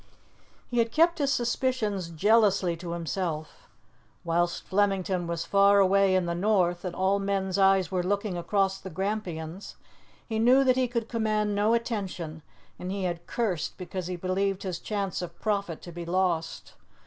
He had kept his suspicions jealously to himself. Whilst Flemington was far away in the North, and all men's eyes were looking across the Grampians, he knew that he could command no attention, and he had cursed because he believed his chance of profit to be lost.